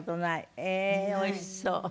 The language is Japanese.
ええーおいしそう。